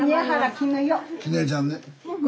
絹代ちゃんね。